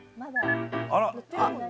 「あら」